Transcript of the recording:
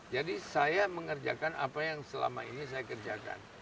jadi saya mengerjakan apa yang selama ini saya kerjakan